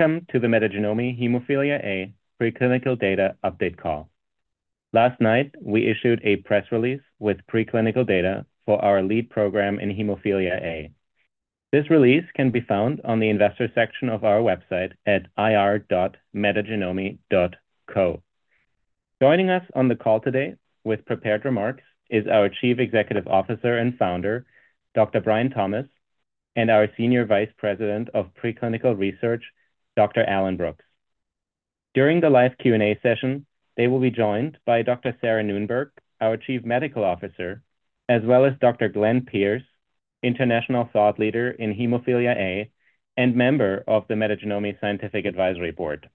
Welcome to the Metagenomi Hemophilia A Preclinical Data Update Call. Last night, we issued a press release with preclinical data for our lead program in Hemophilia A. This release can be found on the investor section of our website at ir.metagenomi.co. Joining us on the call today with prepared remarks is our Chief Executive Officer and Founder, Dr. Brian Thomas, and our Senior Vice President of Preclinical Research, Dr. Alan Brooks. During the live Q&A session, they will be joined by Dr. Sarah Noonberg, our Chief Medical Officer, as well as Dr. Glenn Pierce, international thought leader in Hemophilia A and member of the Metagenomi Scientific Advisory Board.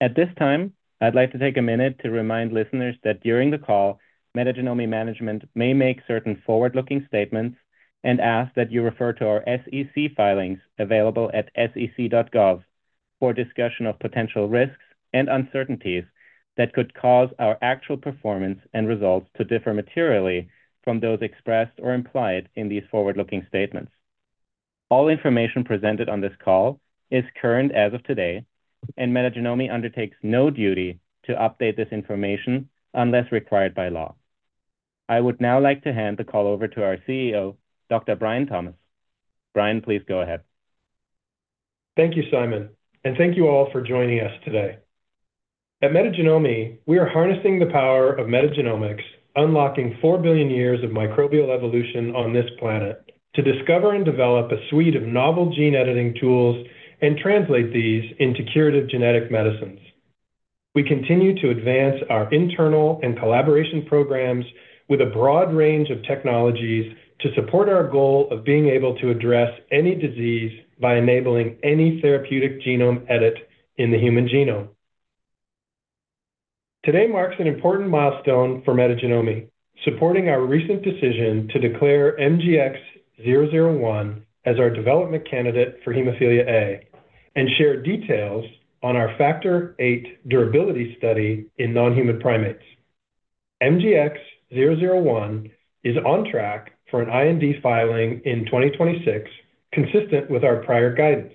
At this time, I'd like to take a minute to remind listeners that during the call, Metagenomi management may make certain forward-looking statements and ask that you refer to our SEC filings available at sec.gov for discussion of potential risks and uncertainties that could cause our actual performance and results to differ materially from those expressed or implied in these forward-looking statements. All information presented on this call is current as of today, and Metagenomi undertakes no duty to update this information unless required by law. I would now like to hand the call over to our CEO, Dr. Brian Thomas. Brian, please go ahead. Thank you, Simon, and thank you all for joining us today. At Metagenomi, we are harnessing the power of metagenomics, unlocking four billion years of microbial evolution on this planet to discover and develop a suite of novel gene editing tools and translate these into curative genetic medicines. We continue to advance our internal and collaboration programs with a broad range of technologies to support our goal of being able to address any disease by enabling any therapeutic genome edit in the human genome. Today marks an important milestone for Metagenomi, supporting our recent decision to declare MGX-001 as our development candidate for Hemophilia A and share details on our Factor VIII durability study in non-human primates. MGX-001 is on track for an IND filing in 2026, consistent with our prior guidance.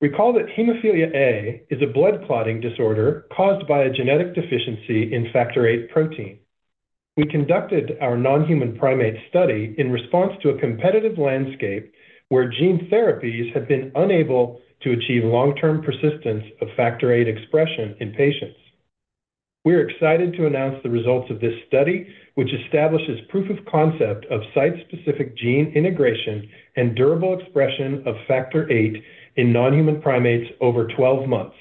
Recall that Hemophilia A is a blood clotting disorder caused by a genetic deficiency in Factor VIII protein. We conducted our non-human primate study in response to a competitive landscape where gene therapies have been unable to achieve long-term persistence of Factor VIII expression in patients. We are excited to announce the results of this study, which establishes proof of concept of site-specific gene integration and durable expression of Factor VIII in non-human primates over 12 months.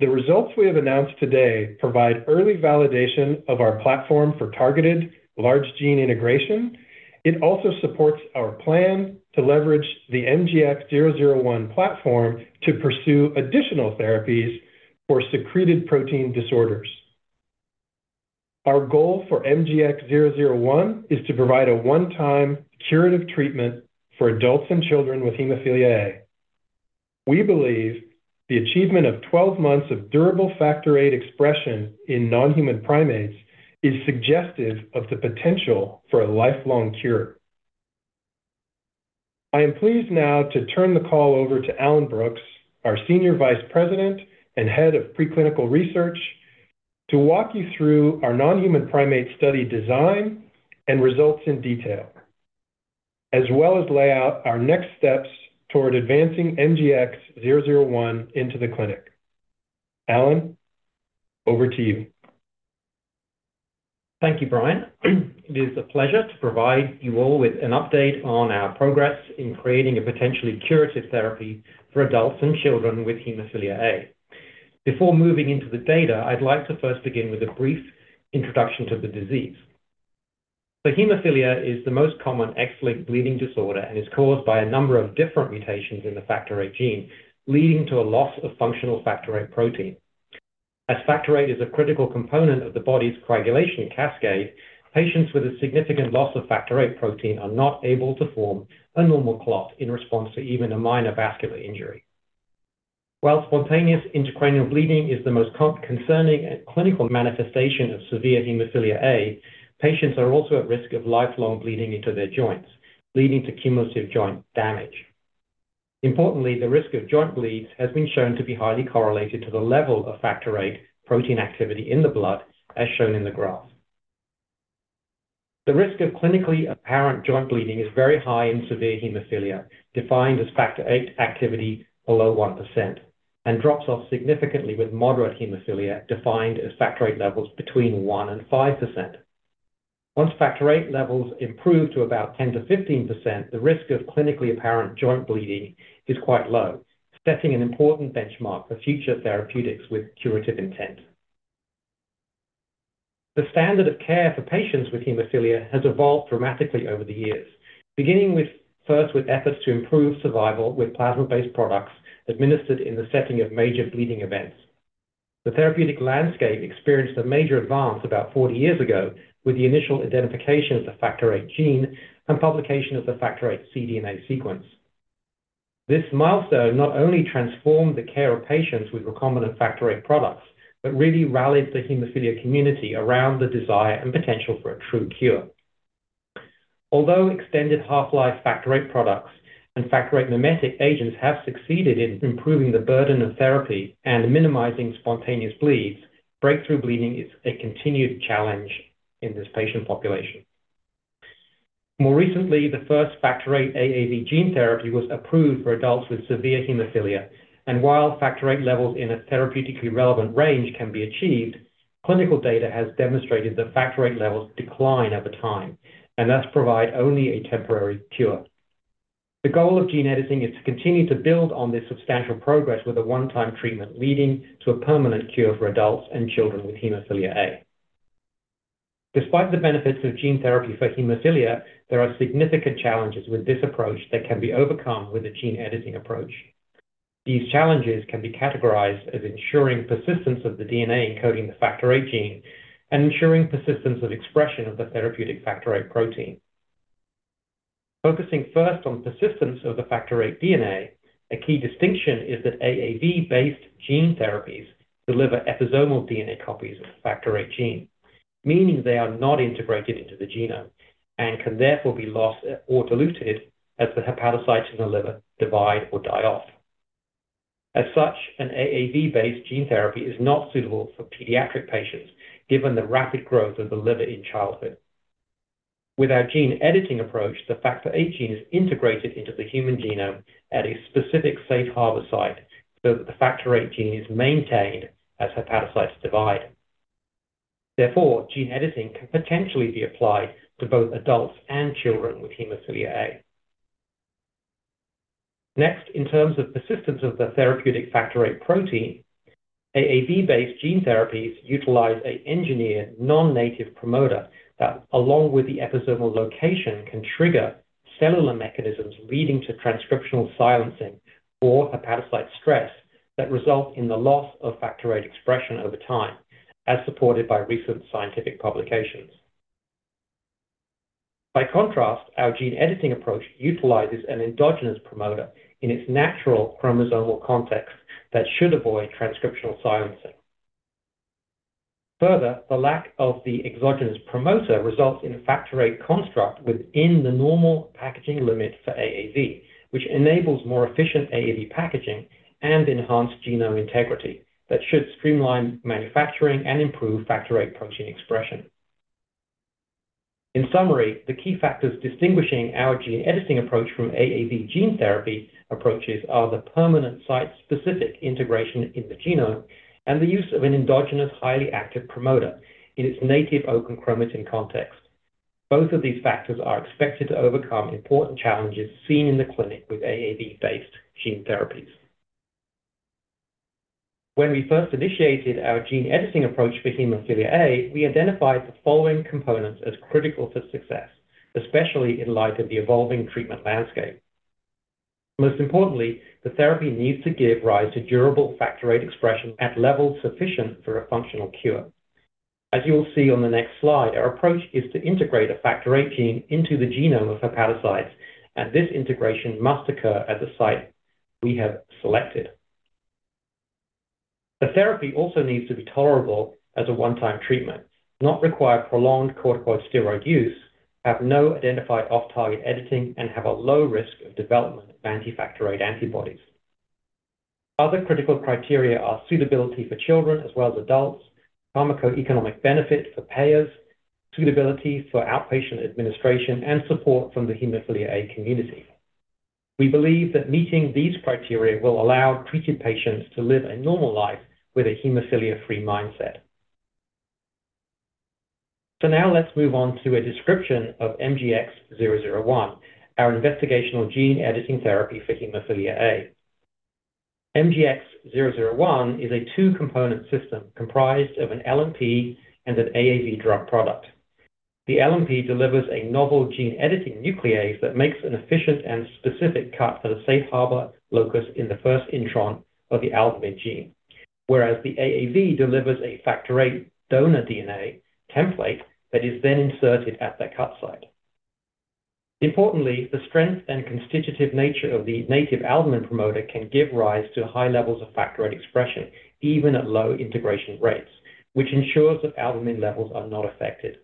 The results we have announced today provide early validation of our platform for targeted large gene integration. It also supports our plan to leverage the MGX-001 platform to pursue additional therapies for secreted protein disorders. Our goal for MGX-001 is to provide a one-time curative treatment for adults and children with Hemophilia A. We believe the achievement of 12 months of durable Factor VIII expression in non-human primates is suggestive of the potential for a lifelong cure. I am pleased now to turn the call over to Alan Brooks, our Senior Vice President and Head of Preclinical Research, to walk you through our non-human primate study design and results in detail, as well as lay out our next steps toward advancing MGX-001 into the clinic. Alan, over to you. Thank you, Brian. It is a pleasure to provide you all with an update on our progress in creating a potentially curative therapy for adults and children with Hemophilia A. Before moving into the data, I'd like to first begin with a brief introduction to the disease. Hemophilia is the most common X-linked bleeding disorder and is caused by a number of different mutations in the Factor VIII gene, leading to a loss of functional Factor VIII protein. As Factor VIII is a critical component of the body's coagulation cascade, patients with a significant loss of Factor VIII protein are not able to form a normal clot in response to even a minor vascular injury. While spontaneous intracranial bleeding is the most concerning clinical manifestation of severe Hemophilia A, patients are also at risk of lifelong bleeding into their joints, leading to cumulative joint damage. Importantly, the risk of joint bleeds has been shown to be highly correlated to the level of Factor VIII protein activity in the blood, as shown in the graph. The risk of clinically apparent joint bleeding is very high in severe hemophilia, defined as Factor VIII activity below 1%, and drops off significantly with moderate hemophilia, defined as Factor VIII levels between 1% and 5%. Once Factor VIII levels improve to about 10%-15%, the risk of clinically apparent joint bleeding is quite low, setting an important benchmark for future therapeutics with curative intent. The standard of care for patients with hemophilia has evolved dramatically over the years, beginning with efforts to improve survival with plasma-based products administered in the setting of major bleeding events. The therapeutic landscape experienced a major advance about forty years ago with the initial identification of the Factor VIII gene and publication of the Factor VIII cDNA sequence. This milestone not only transformed the care of patients with recombinant Factor VIII products, but really rallied the hemophilia community around the desire and potential for a true cure... Although extended half-life Factor VIII products and Factor VIII mimetic agents have succeeded in improving the burden of therapy and minimizing spontaneous bleeds, breakthrough bleeding is a continued challenge in this patient population. More recently, the first Factor VIII AAV gene therapy was approved for adults with severe hemophilia, and while Factor VIII levels in a therapeutically relevant range can be achieved, clinical data has demonstrated that Factor VIII levels decline over time and thus provide only a temporary cure. The goal of gene editing is to continue to build on this substantial progress with a one-time treatment, leading to a permanent cure for adults and children with Hemophilia A. Despite the benefits of gene therapy for hemophilia, there are significant challenges with this approach that can be overcome with a gene editing approach. These challenges can be categorized as ensuring persistence of the DNA encoding the Factor VIII gene and ensuring persistence of expression of the therapeutic Factor VIII protein. Focusing first on persistence of the Factor VIII DNA, a key distinction is that AAV-based gene therapies deliver episomal DNA copies of the Factor VIII gene, meaning they are not integrated into the genome and can therefore be lost or diluted as the hepatocytes in the liver divide or die off. As such, an AAV-based gene therapy is not suitable for pediatric patients, given the rapid growth of the liver in childhood. With our gene editing approach, the Factor VIII gene is integrated into the human genome at a specific safe harbor site so that the Factor VIII gene is maintained as hepatocytes divide. Therefore, gene editing can potentially be applied to both adults and children with Hemophilia A. Next, in terms of persistence of the therapeutic Factor VIII protein, AAV-based gene therapies utilize an engineered non-native promoter that, along with the episomal location, can trigger cellular mechanisms leading to transcriptional silencing or hepatocyte stress that result in the loss of Factor VIII expression over time, as supported by recent scientific publications. By contrast, our gene editing approach utilizes an endogenous promoter in its natural chromosomal context that should avoid transcriptional silencing. Further, the lack of the exogenous promoter results in a Factor VIII construct within the normal packaging limit for AAV, which enables more efficient AAV packaging and enhanced genome integrity that should streamline manufacturing and improve Factor VIII protein expression. In summary, the key factors distinguishing our gene editing approach from AAV gene therapy approaches are the permanent site-specific integration in the genome and the use of an endogenous, highly active promoter in its native open chromatin context. Both of these factors are expected to overcome important challenges seen in the clinic with AAV-based gene therapies. When we first initiated our gene editing approach for Hemophilia A, we identified the following components as critical for success, especially in light of the evolving treatment landscape. Most importantly, the therapy needs to give rise to durable Factor VIII expression at levels sufficient for a functional cure. As you will see on the next slide, our approach is to integrate a Factor VIII gene into the genome of hepatocytes, and this integration must occur at the site we have selected. The therapy also needs to be tolerable as a one-time treatment, not require prolonged corticosteroid use, have no identified off-target editing, and have a low risk of development of anti-Factor VIII antibodies. Other critical criteria are suitability for children as well as adults, pharmacoeconomic benefits for payers, suitability for outpatient administration, and support from the Hemophilia A community. We believe that meeting these criteria will allow treated patients to live a normal life with a hemophilia-free mindset. So now let's move on to a description of MGX-001, our investigational gene-editing therapy for Hemophilia A. MGX-001 is a two-component system comprised of an LNP and an AAV drug product. The LNP delivers a novel gene-editing nuclease that makes an efficient and specific cut at a safe harbor locus in the first intron of the albumin gene, whereas the AAV delivers a Factor VIII donor DNA template that is then inserted at that cut site. Importantly, the strength and constitutive nature of the native albumin promoter can give rise to high levels of Factor VIII expression, even at low integration rates, which ensures that albumin levels are not affected.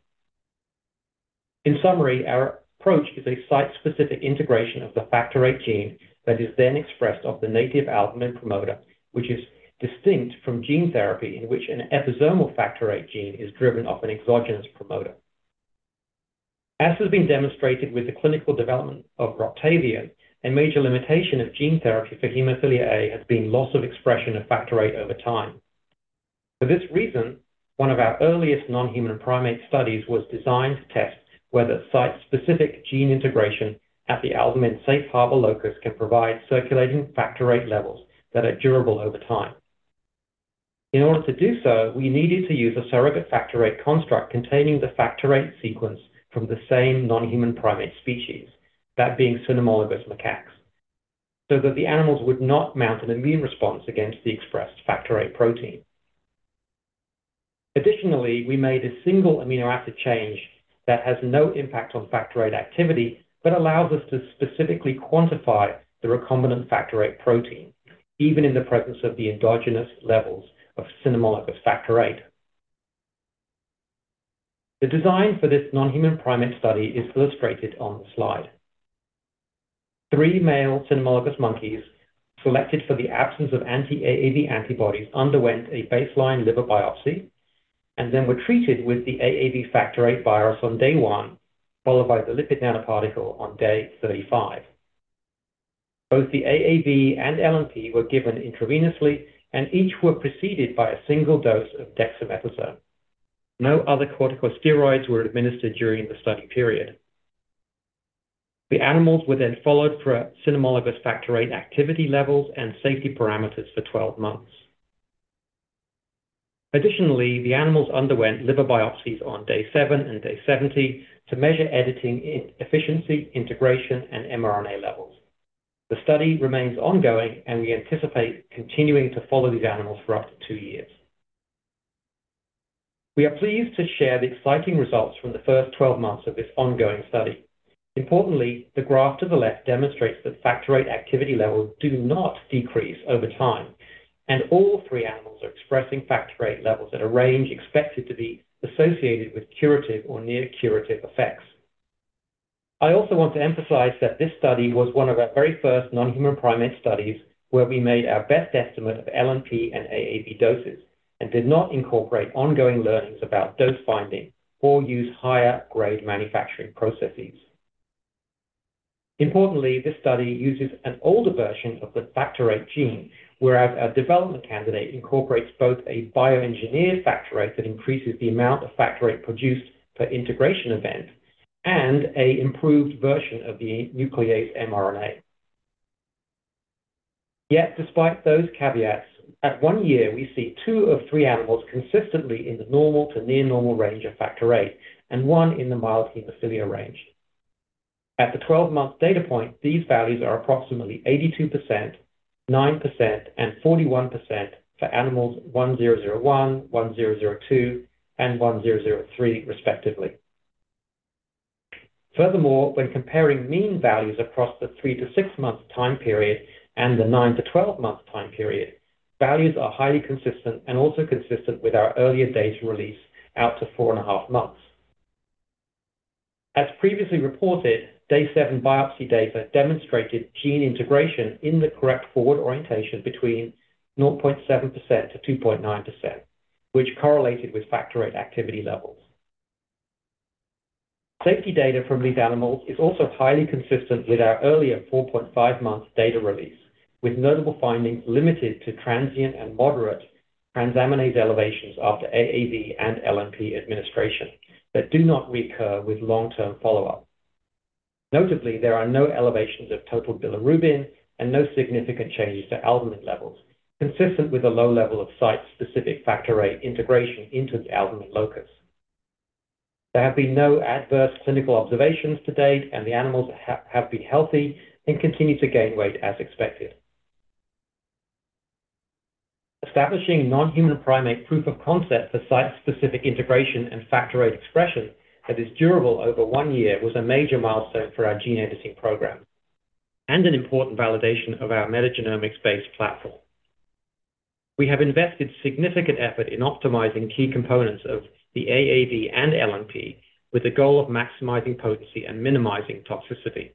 In summary, our approach is a site-specific integration of the Factor VIII gene that is then expressed off the native albumin promoter, which is distinct from gene therapy, in which an episomal Factor VIII gene is driven off an exogenous promoter. As has been demonstrated with the clinical development of Roctavian, a major limitation of gene therapy for Hemophilia A has been loss of expression of Factor VIII over time. For this reason, one of our earliest non-human primate studies was designed to test whether site-specific gene integration at the albumin safe harbor locus can provide circulating Factor VIII levels that are durable over time. In order to do so, we needed to use a surrogate Factor VIII construct containing the Factor VIII sequence from the same non-human primate species, that being cynomolgus macaques, so that the animals would not mount an immune response against the expressed Factor VIII protein. Additionally, we made a single amino acid change that has no impact on Factor VIII activity but allows us to specifically quantify the recombinant Factor VIII protein, even in the presence of the endogenous levels of cynomolgus Factor VIII.... The design for this non-human primate study is illustrated on the slide. Three male Cynomolgus monkeys, selected for the absence of anti-AAV antibodies, underwent a baseline liver biopsy and then were treated with the AAV Factor VIII virus on day 1, followed by the lipid nanoparticle on day 35. Both the AAV and LNP were given intravenously, and each were preceded by a single dose of dexamethasone. No other corticosteroids were administered during the study period. The animals were then followed for Cynomolgus Factor VIII activity levels and safety parameters for 12 months. Additionally, the animals underwent liver biopsies on day 7 and day 70 to measure editing, efficiency, integration, and mRNA levels. The study remains ongoing, and we anticipate continuing to follow these animals for up to 2 years. We are pleased to share the exciting results from the first 12 months of this ongoing study. Importantly, the graph to the left demonstrates that Factor VIII activity levels do not decrease over time, and all three animals are expressing Factor VIII levels at a range expected to be associated with curative or near curative effects. I also want to emphasize that this study was one of our very first non-human primate studies, where we made our best estimate of LNP and AAV doses and did not incorporate ongoing learnings about dose finding or use higher grade manufacturing processes. Importantly, this study uses an older version of the Factor VIII gene, whereas our development candidate incorporates both a bioengineered Factor VIII that increases the amount of Factor VIII produced per integration event and a improved version of the nuclease mRNA. Yet despite those caveats, at one year, we see two of three animals consistently in the normal to near normal range of Factor VIII and one in the mild hemophilia range. At the 12-month data point, these values are approximately 82%, 9%, and 41% for animals 1001, 1002, and 1003, respectively. Furthermore, when comparing mean values across the three to six-month time period and the nine to 12-month time period, values are highly consistent and also consistent with our earlier data release out to four and a half months. As previously reported, day seven biopsy data demonstrated gene integration in the correct forward orientation between 0.7%-2.9%, which correlated with Factor VIII activity levels. Safety data from these animals is also highly consistent with our earlier 4.5 months data release, with notable findings limited to transient and moderate transaminase elevations after AAV and LNP administration that do not recur with long-term follow-up. Notably, there are no elevations of total bilirubin and no significant changes to albumin levels, consistent with a low level of site-specific Factor VIII integration into the albumin locus. There have been no adverse clinical observations to date, and the animals have been healthy and continue to gain weight as expected. Establishing non-human primate proof of concept for site-specific integration and Factor VIII expression that is durable over one year was a major milestone for our gene editing program and an important validation of our metagenomics-based platform. We have invested significant effort in optimizing key components of the AAV and LNP with the goal of maximizing potency and minimizing toxicity.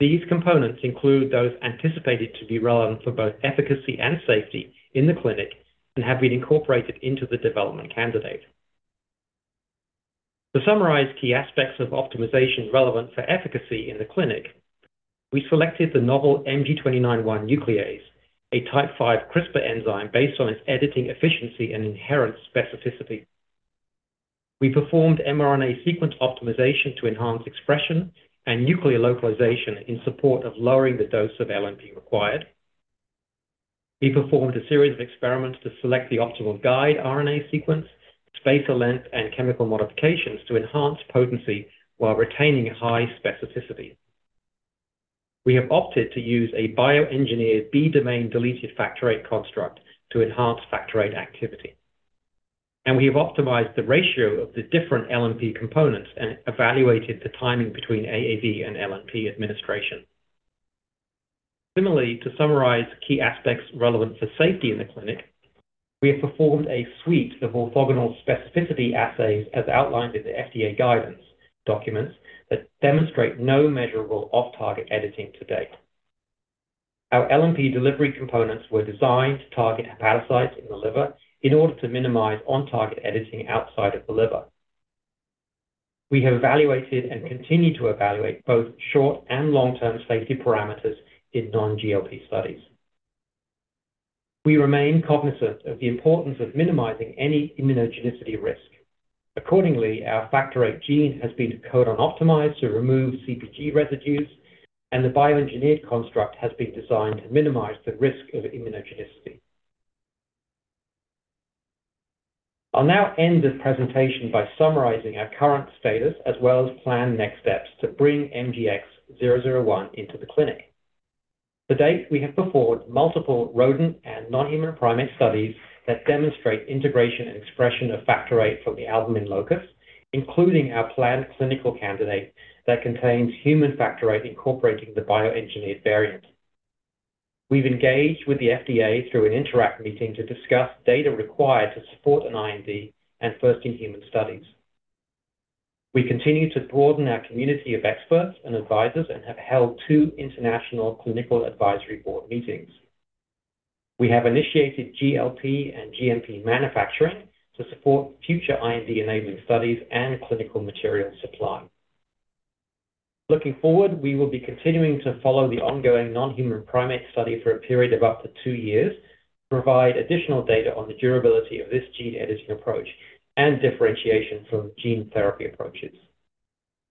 These components include those anticipated to be relevant for both efficacy and safety in the clinic and have been incorporated into the development candidate. To summarize key aspects of optimization relevant for efficacy in the clinic, we selected the novel MG29-1 nuclease, a Type V CRISPR enzyme based on its editing efficiency and inherent specificity. We performed mRNA sequence optimization to enhance expression and nuclear localization in support of lowering the dose of LNP required. We performed a series of experiments to select the optimal guide RNA sequence, spacer length, and chemical modifications to enhance potency while retaining high specificity. We have opted to use a bioengineered B domain deleted Factor VIII construct to enhance Factor VIII activity, and we have optimized the ratio of the different LNP components and evaluated the timing between AAV and LNP administration. Similarly, to summarize key aspects relevant for safety in the clinic, we have performed a suite of orthogonal specificity assays, as outlined in the FDA guidance documents, that demonstrate no measurable off-target editing to date. Our LNP delivery components were designed to target hepatocytes in the liver in order to minimize on-target editing outside of the liver. We have evaluated and continue to evaluate both short and long-term safety parameters in non-GLP studies. We remain cognizant of the importance of minimizing any immunogenicity risk. Accordingly, our Factor VIII gene has been codon optimized to remove CpG residues, and the bioengineered construct has been designed to minimize the risk of immunogenicity. I'll now end this presentation by summarizing our current status, as well as planned next steps to bring MGX-001 into the clinic. To date, we have performed multiple rodent and non-human primate studies that demonstrate integration and expression of Factor VIII from the albumin locus, including our planned clinical candidate that contains human Factor VIII, incorporating the bioengineered variant.... We've engaged with the FDA through an INTERACT meeting to discuss data required to support an IND and first-in-human studies. We continue to broaden our community of experts and advisors and have held two international clinical advisory board meetings. We have initiated GLP and GMP manufacturing to support future IND-enabling studies and clinical material supply. Looking forward, we will be continuing to follow the ongoing non-human primate study for a period of up to two years, provide additional data on the durability of this gene editing approach and differentiation from gene therapy approaches.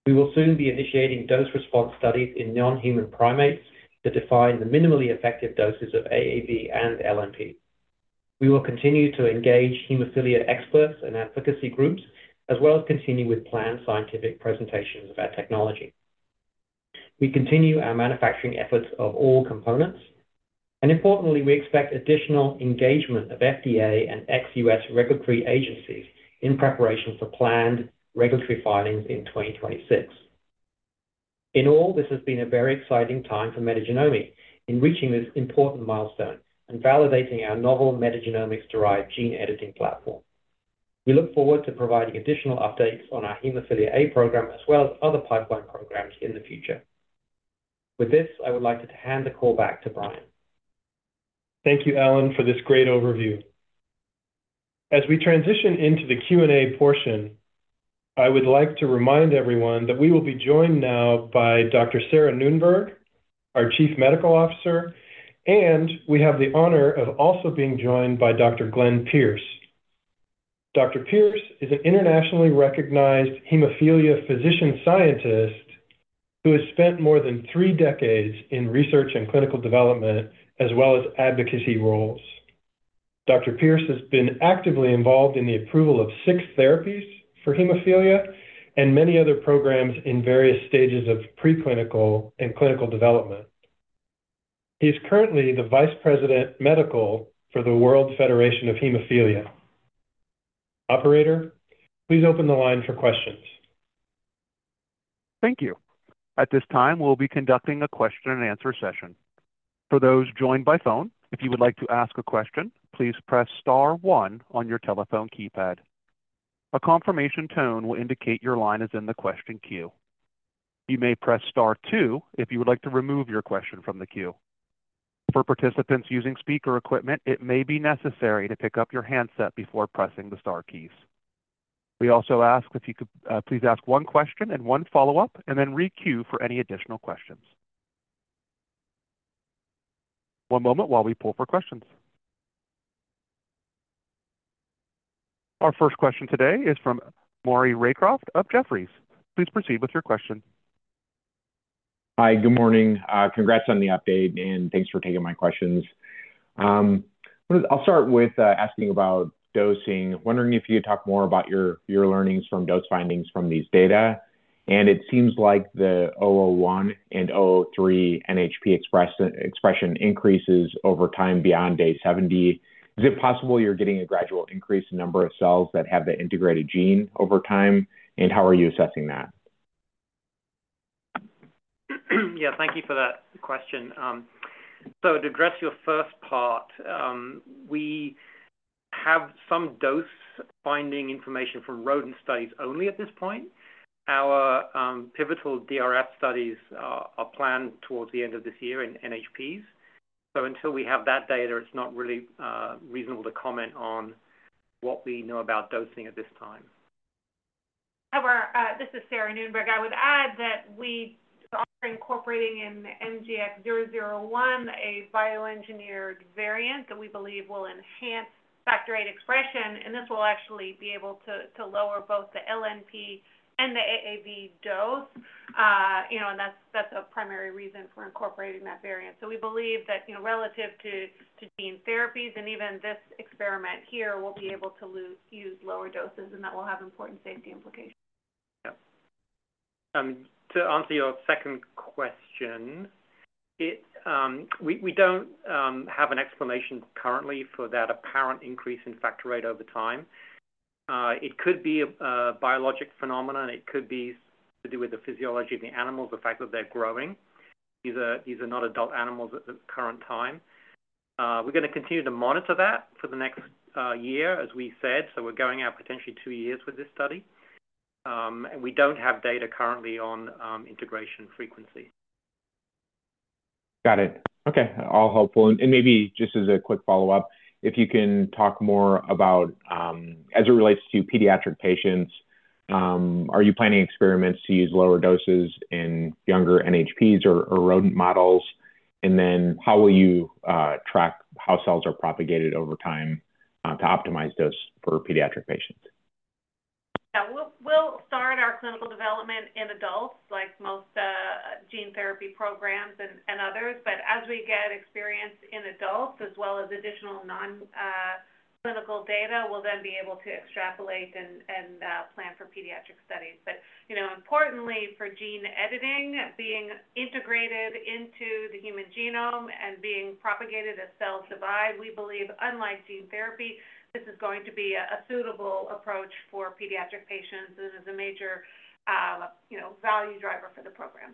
We will soon be initiating dose response studies in non-human primates to define the minimally effective doses of AAV and LNP. We will continue to engage hemophilia experts and advocacy groups, as well as continue with planned scientific presentations of our technology. We continue our manufacturing efforts of all components, and importantly, we expect additional engagement of FDA and ex-U.S. regulatory agencies in preparation for planned regulatory filings in 2026. In all, this has been a very exciting time for Metagenomi in reaching this important milestone and validating our novel metagenomics-derived gene editing platform. We look forward to providing additional updates on our Hemophilia A program, as well as other pipeline programs in the future. With this, I would like to hand the call back to Brian. Thank you, Alan, for this great overview. As we transition into the Q&A portion, I would like to remind everyone that we will be joined now by Dr. Sarah Noonberg, our Chief Medical Officer, and we have the honor of also being joined by Dr. Glenn Pierce. Dr. Pierce is an internationally recognized hemophilia physician-scientist who has spent more than three decades in research and clinical development, as well as advocacy roles. Dr. Pierce has been actively involved in the approval of six therapies for Hemophilia A and many other programs in various stages of preclinical and clinical development. He's currently the Vice President, Medical for the World Federation of Hemophilia. Operator, please open the line for questions. Thank you. At this time, we'll be conducting a question and answer session. For those joined by phone, if you would like to ask a question, please press star one on your telephone keypad. A confirmation tone will indicate your line is in the question queue. You may press star two if you would like to remove your question from the queue. For participants using speaker equipment, it may be necessary to pick up your handset before pressing the star keys. We also ask if you could, please ask one question and one follow-up, and then re-queue for any additional questions. One moment while we pull for questions. Our first question today is from Maury Raycroft of Jefferies. Please proceed with your question. Hi, good morning. Congrats on the update, and thanks for taking my questions. I'll start with asking about dosing. Wondering if you could talk more about your, your learnings from dose findings from these data. And it seems like the 001 and 003 NHP expression increases over time beyond day 70. Is it possible you're getting a gradual increase in number of cells that have the integrated gene over time? And how are you assessing that? Yeah, thank you for that question. So to address your first part, we have some dose-finding information from rodent studies only at this point. Our pivotal DRF studies are planned towards the end of this year in NHPs. So until we have that data, it's not really reasonable to comment on what we know about dosing at this time. However, this is Sarah Noonberg. I would add that we are incorporating in MGX-001 a bioengineered variant that we believe will enhance Factor VIII expression, and this will actually be able to lower both the LNP and the AAV dose. You know, and that's a primary reason for incorporating that variant. So we believe that, you know, relative to gene therapies and even this experiment here, we'll be able to use lower doses, and that will have important safety implications. Yeah. To answer your second question, we don't have an explanation currently for that apparent increase in Factor VIII over time. It could be a biologic phenomenon. It could be to do with the physiology of the animals, the fact that they're growing. These are not adult animals at the current time. We're gonna continue to monitor that for the next year, as we said, so we're going out potentially two years with this study, and we don't have data currently on integration frequency. Got it. Okay, all helpful. Maybe just as a quick follow-up, if you can talk more about as it relates to pediatric patients, are you planning experiments to use lower doses in younger NHPs or rodent models? And then how will you track how cells are propagated over time to optimize those for pediatric patients? Yeah. We'll start our clinical development in adults like most gene therapy programs and others. But as we get experience in adults, as well as additional non-clinical data, we'll then be able to extrapolate and plan for pediatric studies. But, you know, importantly for gene editing, being integrated into the human genome and being propagated as cells divide, we believe, unlike gene therapy, this is going to be a suitable approach for pediatric patients. This is a major, you know, value driver for the program.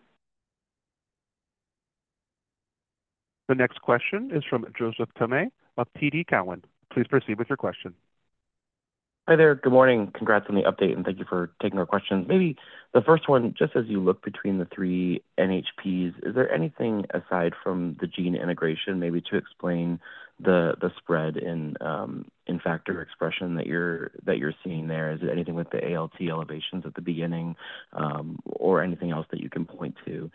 The next question is from Joseph Thome of TD Cowen. Please proceed with your question. Hi there. Good morning. Congrats on the update, and thank you for taking our questions. Maybe the first one, just as you look between the three NHPs, is there anything aside from the gene integration, maybe to explain the spread in factor expression that you're seeing there? Is it anything with the ALT elevations at the beginning, or anything else that you can point to?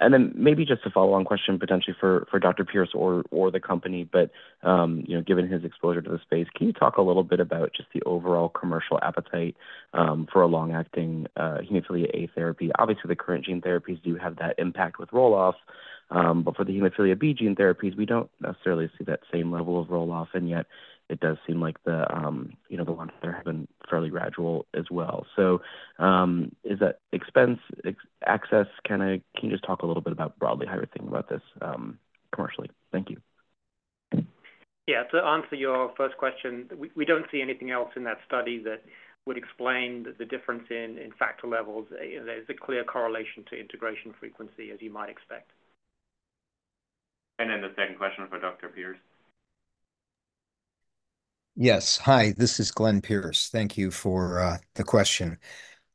And then maybe just a follow-on question, potentially for Dr. Pierce or the company, but you know, given his exposure to the space, can you talk a little bit about just the overall commercial appetite for a long-acting Hemophilia A therapy? Obviously, the current gene therapies do have that impact with roll-off, but for the hemophilia B gene therapies, we don't necessarily see that same level of roll-off, and yet it does seem like the, you know, the ones that are happening fairly gradual as well. Can you just talk a little bit about broadly how you're thinking about this commercially? Thank you. Yeah. To answer your first question, we don't see anything else in that study that would explain the difference in factor levels. There's a clear correlation to integration frequency, as you might expect. And then the second question for Dr. Pierce. Yes. Hi, this is Glenn Pierce. Thank you for the question.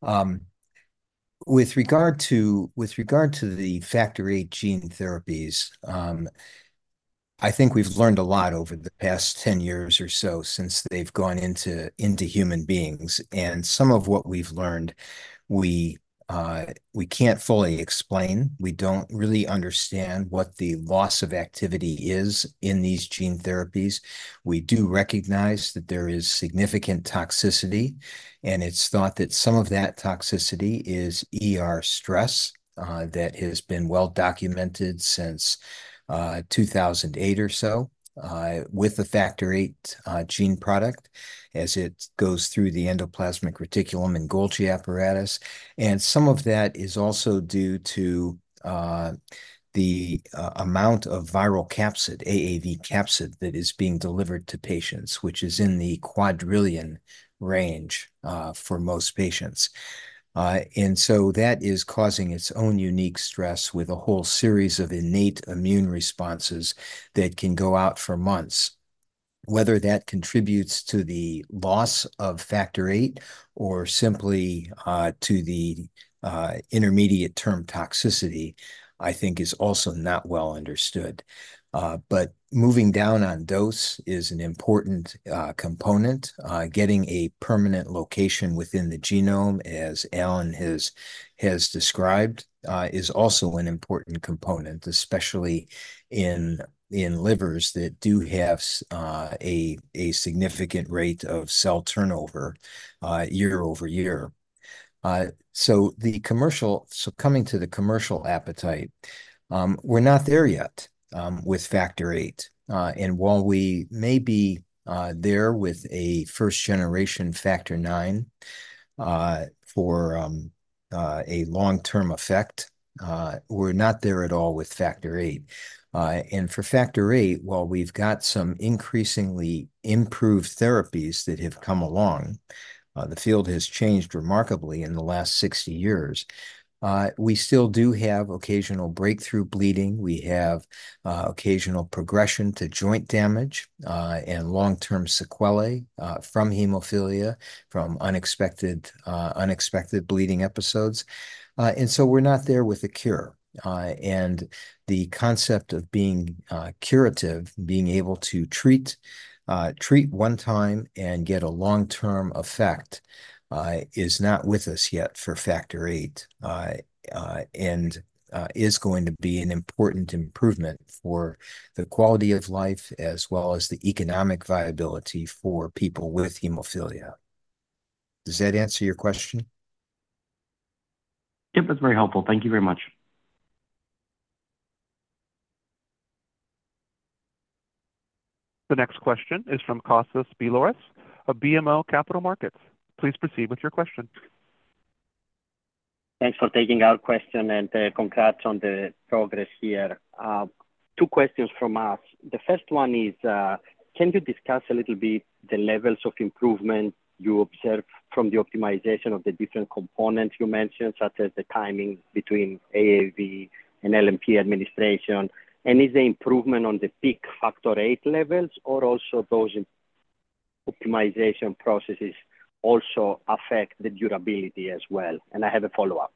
With regard to the Factor VIII gene therapies, I think we've learned a lot over the past 10 years or so since they've gone into human beings, and some of what we've learned, we can't fully explain. We don't really understand what the loss of activity is in these gene therapies. We do recognize that there is significant toxicity, and it's thought that some of that toxicity is ER stress, that has been well documented since 2008 or so, with the Factor VIII gene product, as it goes through the endoplasmic reticulum and Golgi apparatus. And some of that is also due to the amount of viral capsid, AAV capsid, that is being delivered to patients, which is in the quadrillion range for most patients. And so that is causing its own unique stress with a whole series of innate immune responses that can go out for months. Whether that contributes to the loss of Factor VIII or simply to the intermediate-term toxicity, I think is also not well understood. But moving down on dose is an important component. Getting a permanent location within the genome, as Alan has described, is also an important component, especially in livers that do have a significant rate of cell turnover year over year. So the commercial. So coming to the commercial appetite, we're not there yet with Factor VIII. And while we may be there with a 1st generation Factor IX for a long-term effect, we're not there at all with Factor VIII. And for Factor VIII, while we've got some increasingly improved therapies that have come along, the field has changed remarkably in the last sixty years, we still do have occasional breakthrough bleeding. We have occasional progression to joint damage and long-term sequelae from hemophilia, from unexpected bleeding episodes. And so we're not there with a cure, and the concept of being curative, being able to treat one time and get a long-term effect, is not with us yet for Factor VIII, and is going to be an important improvement for the quality of life as well as the economic viability for people with hemophilia. Does that answer your question? Yep, that's very helpful. Thank you very much. The next question is from Kostas Biliouris of BMO Capital Markets. Please proceed with your question. Thanks for taking our question, and, congrats on the progress here. Two questions from us. The first one is, can you discuss a little bit the levels of improvement you observe from the optimization of the different components you mentioned, such as the timing between AAV and LNP administration? And is the improvement on the peak Factor VIII levels, or also those optimization processes also affect the durability as well? And I have a follow-up.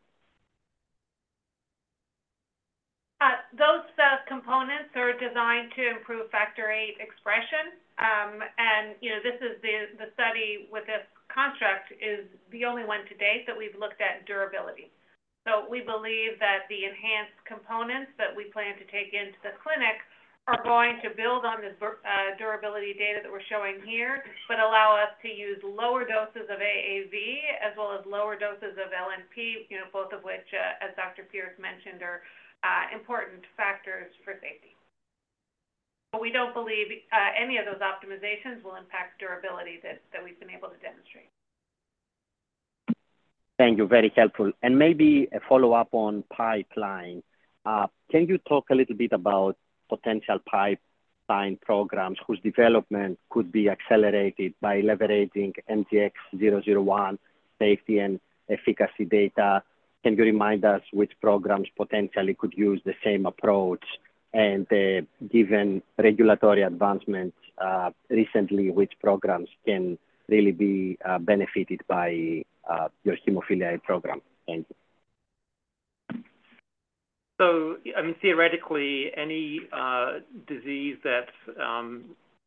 Those components are designed to improve Factor VIII expression, and, you know, this is the study with this construct is the only one to date that we've looked at durability. So we believe that the enhanced components that we plan to take into the clinic are going to build on this durability data that we're showing here, but allow us to use lower doses of AAV as well as lower doses of LNP, you know, both of which, as Dr. Pierce mentioned, are important factors for safety. But we don't believe any of those optimizations will impact durability that we've been able to demonstrate. Thank you. Very helpful. And maybe a follow-up on pipeline. Can you talk a little bit about potential pipeline programs whose development could be accelerated by leveraging MGX-001 safety and efficacy data. Can you remind us which programs potentially could use the same approach? And, given regulatory advancements recently, which programs can really be benefited by your hemophilia program? Thank you. So, I mean, theoretically, any disease that's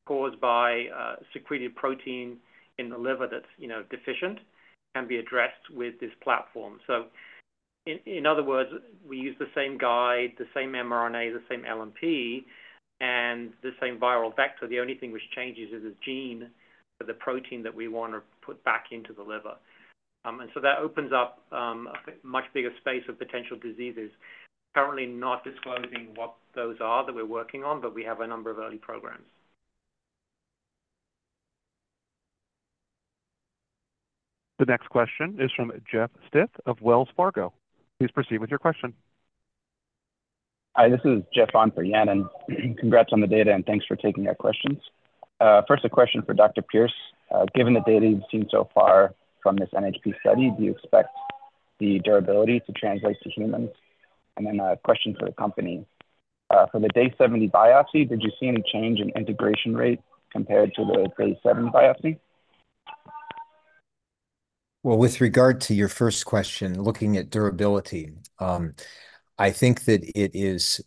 caused by secreted protein in the liver that's, you know, deficient, can be addressed with this platform. So in other words, we use the same guide, the same mRNA, the same LNP, and the same viral vector. The only thing which changes is the gene for the protein that we want to put back into the liver, and so that opens up a much bigger space of potential diseases. Currently not disclosing what those are that we're working on, but we have a number of early programs. The next question is from Jeff [Stiff] of Wells Fargo. Please proceed with your question. Hi, this is Jeff on for Yanan. Congrats on the data, and thanks for taking our questions. First, a question for Dr. Pierce. Given the data you've seen so far from this NHP study, do you expect the durability to translate to humans? And then a question for the company. From the day 70 biopsy, did you see any change in integration rate compared to the day seven biopsy? With regard to your first question, looking at durability, I think that it is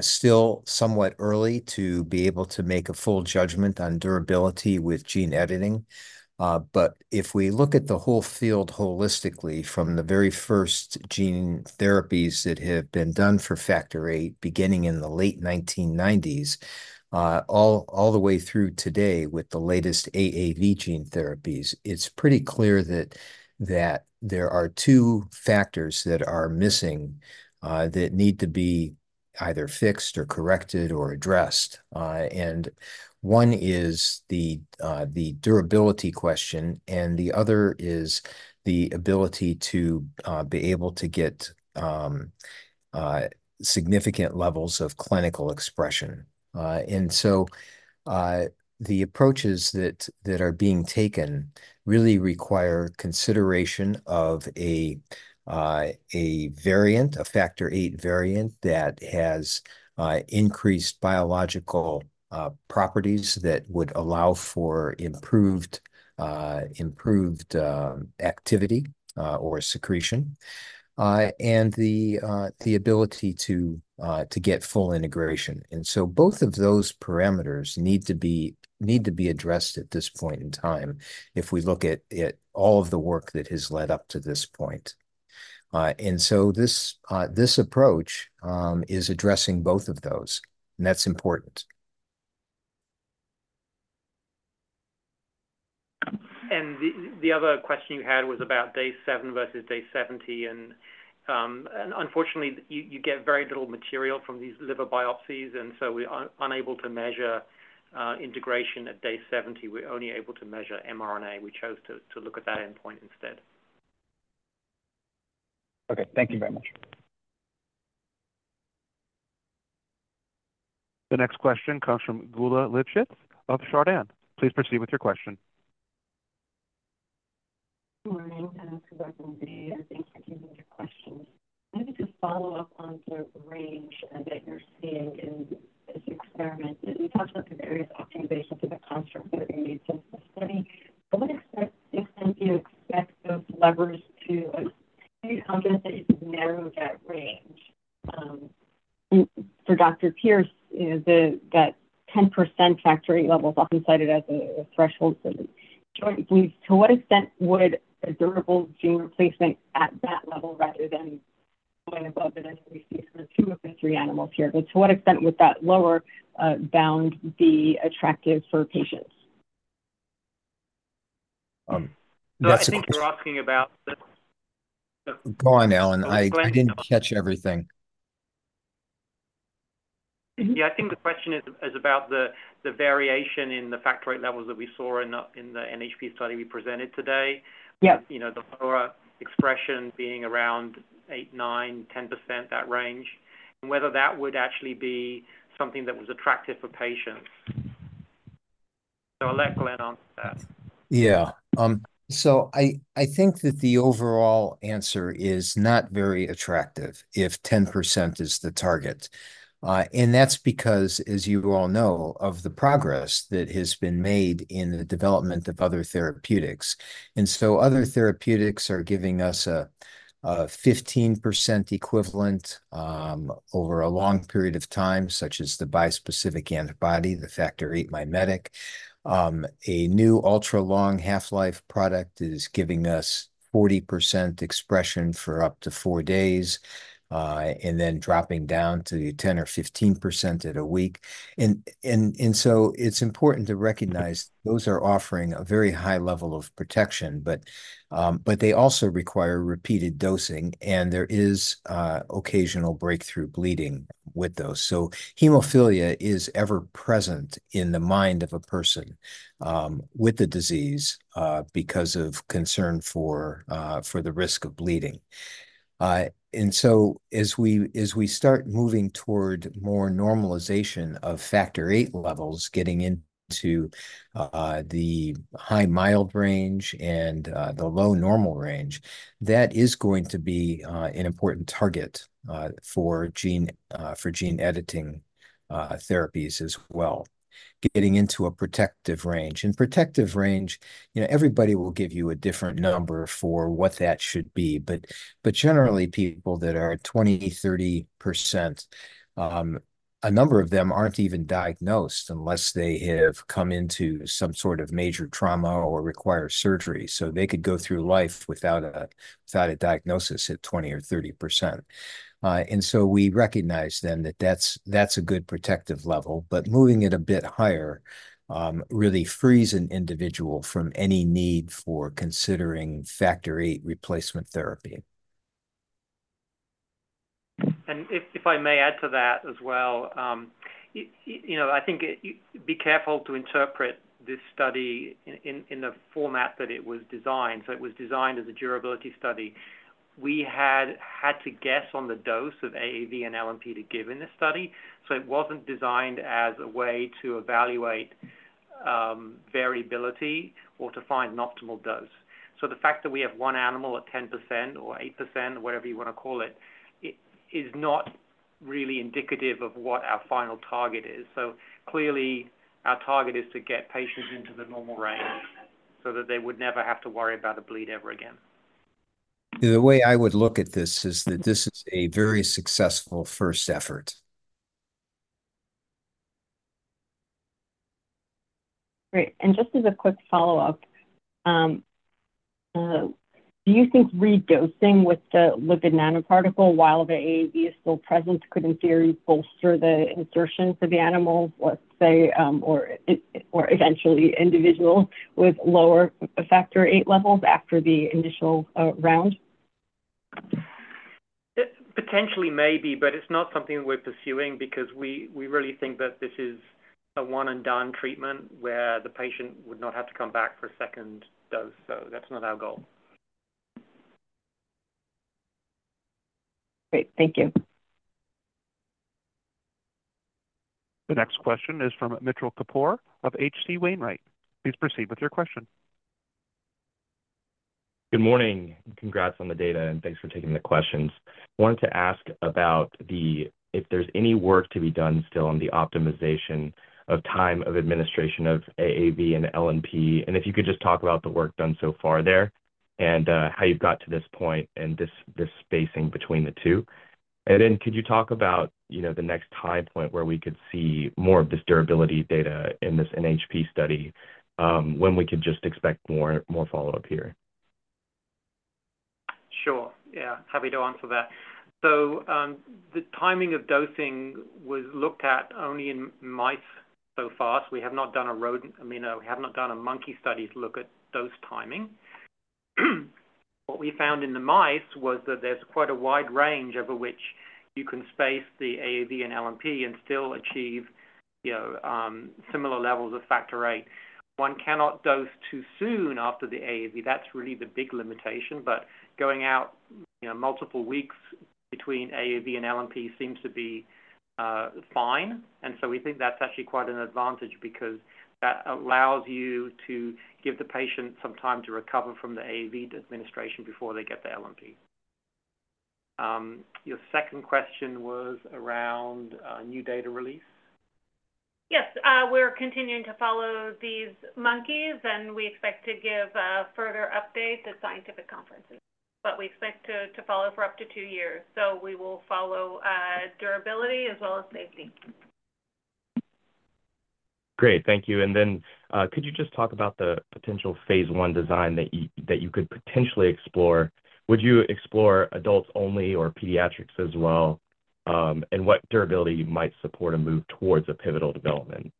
still somewhat early to be able to make a full judgment on durability with gene editing. But if we look at the whole field holistically from the very first gene therapies that have been done for Factor VIII, beginning in the late nineteen nineties, all the way through today with the latest AAV gene therapies, it's pretty clear that there are two factors that are missing that need to be either fixed or corrected or addressed. And one is the durability question, and the other is the ability to be able to get significant levels of clinical expression. And so, the approaches that are being taken really require consideration of a variant, a Factor VIII variant that has increased biological properties that would allow for improved activity or secretion, and the ability to get full integration. And so both of those parameters need to be addressed at this point in time if we look at all of the work that has led up to this point. And so this approach is addressing both of those, and that's important. And the other question you had was about day seven versus day seventy, and unfortunately, you get very little material from these liver biopsies, and so we are unable to measure integration at day seventy. We're only able to measure mRNA. We chose to look at that endpoint instead. Okay, thank you very much. The next question comes from Geulah Livshits of Chardan. Please proceed with your question. Good morning, and congrats on the day, and thanks for taking the questions. Maybe to follow up on the range that you're seeing in this experiment. You talked about the various optimizations of the construct that were made to the study. To what extent do you expect those levers to narrow that range? For Dr. Pierce, is that 10% Factor VIII levels often cited as a threshold for joint bleed? To what extent would a durable gene replacement at that level, rather than going above it, as we see for two of the three animals here, but to what extent would that lower bound be attractive for patients? Um, that's- I think you're asking about the- Go on, Alan. I didn't catch everything. Yeah, I think the question is about the variation in the Factor VIII levels that we saw in the NHP study we presented today. Yeah. You know, the lower expression being around 8%,9%, 10%, that range, and whether that would actually be something that was attractive for patients. So I'll let Glenn answer that. Yeah, so I think that the overall answer is not very attractive if 10% is the target. And that's because, as you all know, of the progress that has been made in the development of other therapeutics. And so other therapeutics are giving us a 15% equivalent over a long period of time, such as the bispecific antibody, the Factor VIII mimetic. A new ultra-long half-life product is giving us 40% expression for up to four days, and then dropping down to 10% or 15% at a week. And so it's important to recognize those are offering a very high level of protection, but they also require repeated dosing, and there is occasional breakthrough bleeding with those. Hemophilia is ever present in the mind of a person with the disease because of concern for the risk of bleeding. And so as we start moving toward more normalization of Factor VIII levels, getting into the high-mild range and the low-normal range, that is going to be an important target for gene editing therapies as well, getting into a protective range. And protective range, you know, everybody will give you a different number for what that should be. But generally, people that are at 20%-30%, a number of them aren't even diagnosed unless they have come into some sort of major trauma or require surgery. So they could go through life without a diagnosis at 20% or 30%. And so we recognize then that that's a good protective level, but moving it a bit higher really frees an individual from any need for considering Factor VIII replacement therapy. And if, if I may add to that as well, you know, I think, be careful to interpret this study in the format that it was designed. So it was designed as a durability study. We had to guess on the dose of AAV and LNP to give in this study, so it wasn't designed as a way to evaluate variability or to find an optimal dose. So the fact that we have one animal at 10% or 8%, whatever you wanna call it, it is not really indicative of what our final target is. So clearly, our target is to get patients into the normal range so that they would never have to worry about a bleed ever again. The way I would look at this is that this is a very successful first effort. Great, and just as a quick follow-up, do you think redosing with the lipid nanoparticle, while the AAV is still present, could, in theory, bolster the insertions of the animals, let's say, or eventually individuals with lower Factor VIII levels after the initial round? It potentially may be, but it's not something we're pursuing because we really think that this is a one-and-done treatment where the patient would not have to come back for a second dose, so that's not our goal. Great, thank you. The next question is from Mitchell Kapoor of H.C. Wainwright. Please proceed with your question. Good morning. Congrats on the data, and thanks for taking the questions. I wanted to ask about the... If there's any work to be done still on the optimization of time of administration of AAV and LNP, and if you could just talk about the work done so far there, and how you've got to this point and this, this spacing between the two. And then could you talk about, you know, the next time point where we could see more of this durability data in this NHP study, when we could just expect more, more follow-up here? Sure. Yeah, happy to answer that. So, the timing of dosing was looked at only in mice so far. So we have not done a rodent, I mean, we have not done a monkey study to look at dose timing. What we found in the mice was that there's quite a wide range over which you can space the AAV and LNP and still achieve, you know, similar levels of Factor VIII. One cannot dose too soon after the AAV. That's really the big limitation. But going out, you know, multiple weeks between AAV and LNP seems to be fine. And so we think that's actually quite an advantage because that allows you to give the patient some time to recover from the AAV administration before they get the LNP. Your second question was around new data release? Yes, we're continuing to follow these monkeys, and we expect to give a further update at scientific conferences. But we expect to follow for up to two years, so we will follow durability as well as safety. Great, thank you. And then, could you just talk about the potential phase I design that you could potentially explore? Would you explore adults only or pediatrics as well? And what durability might support a move towards a pivotal development?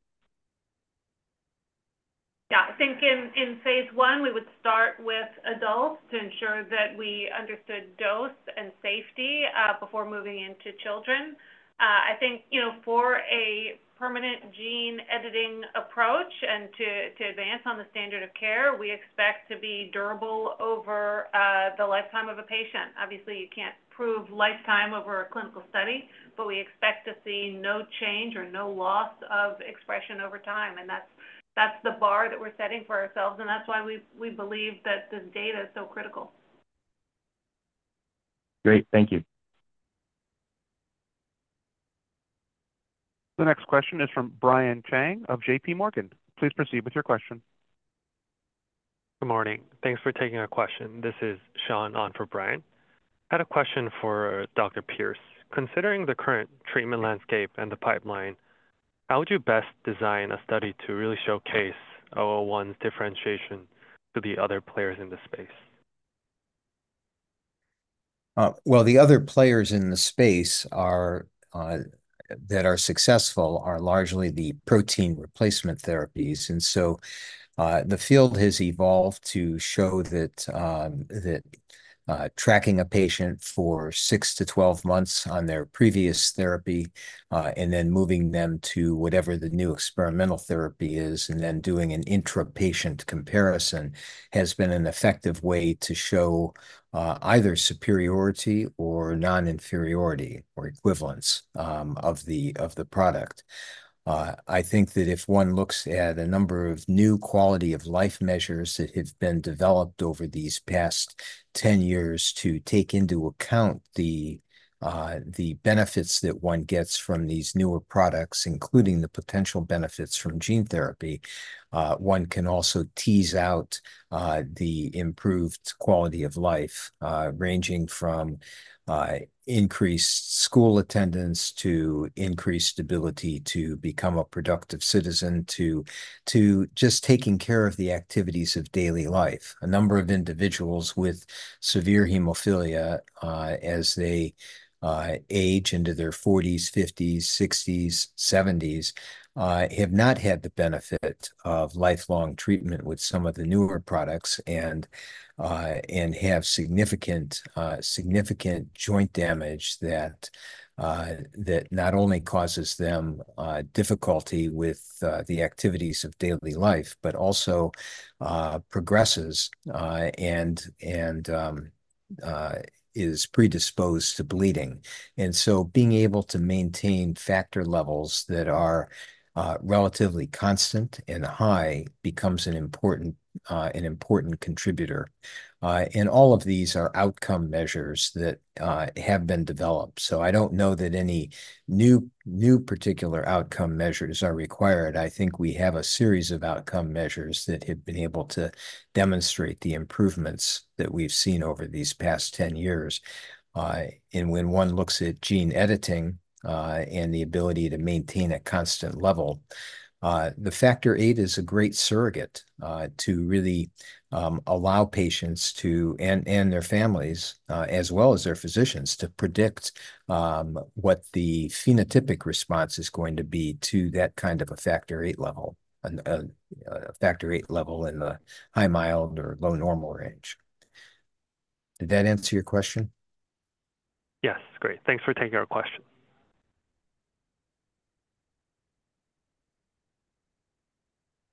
Yeah, I think in phase I, we would start with adults to ensure that we understood dose and safety before moving into children. I think, you know, for a permanent gene editing approach and to advance on the standard of care, we expect to be durable over the lifetime of a patient. Obviously, you can't prove lifetime over a clinical study, but we expect to see no change or no loss of expression over time, and that's the bar that we're setting for ourselves, and that's why we believe that this data is so critical. Great, thank you. The next question is from Brian Cheng of JP Morgan. Please proceed with your question. Good morning. Thanks for taking our question. This is Sean, on for Brian. I had a question for Dr. Pierce. Considering the current treatment landscape and the pipeline, how would you best design a study to really showcase MGX-001's differentiation to the other players in this space? Well, the other players in the space are that are successful are largely the protein replacement therapies. And so, the field has evolved to show that tracking a patient for 6-12 months on their previous therapy, and then moving them to whatever the new experimental therapy is, and then doing an intra-patient comparison, has been an effective way to show either superiority or non-inferiority or equivalence of the product. I think that if one looks at a number of new quality-of-life measures that have been developed over these past 10 years to take into account the benefits that one gets from these newer products, including the potential benefits from gene therapy, one can also tease out the improved quality of life, ranging from increased school attendance, to increased ability to become a productive citizen, to just taking care of the activities of daily life. A number of individuals with severe hemophilia, as they age into their 40s, 50s, 60s, 70s, have not had the benefit of lifelong treatment with some of the newer products and have significant joint damage that not only causes them difficulty with the activities of daily life, but also progresses and is predisposed to bleeding, and so being able to maintain factor levels that are relatively constant and high becomes an important contributor, and all of these are outcome measures that have been developed, so I don't know that any new particular outcome measures are required. I think we have a series of outcome measures that have been able to demonstrate the improvements that we've seen over these past 10 years. And when one looks at gene editing, and the ability to maintain a constant level, the Factor VIII is a great surrogate to really allow patients to, and their families, as well as their physicians, to predict what the phenotypic response is going to be to that kind of a Factor VIII level, a Factor VIII level in the high, mild, or low normal range. Did that answer your question? Yes. Great. Thanks for taking our question.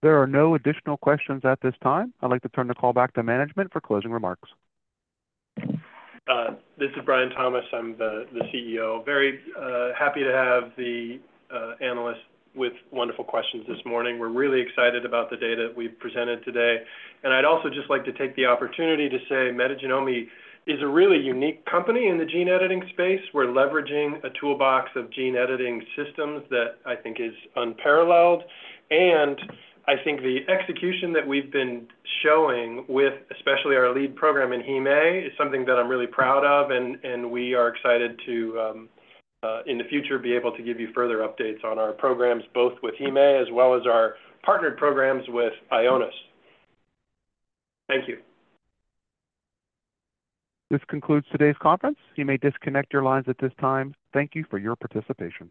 There are no additional questions at this time. I'd like to turn the call back to management for closing remarks. This is Brian Thomas. I'm the CEO. Very happy to have the analysts with wonderful questions this morning. We're really excited about the data we've presented today, and I'd also just like to take the opportunity to say Metagenomi is a really unique company in the gene editing space. We're leveraging a toolbox of gene editing systems that I think is unparalleled, and I think the execution that we've been showing with especially our lead program in heme is something that I'm really proud of, and we are excited to in the future be able to give you further updates on our programs, both with heme as well as our partnered programs with Ionis. Thank you. This concludes today's conference. You may disconnect your lines at this time. Thank you for your participation.